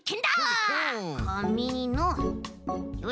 かみのよし。